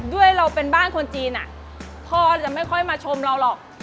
ด้วยเราเป็นบ้านคนจีนพ่อจะไม่ค่อยมาชมเราหรอก